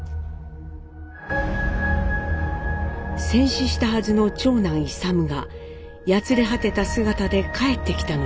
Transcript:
戦死したはずの長男勇がやつれ果てた姿で帰ってきたのです。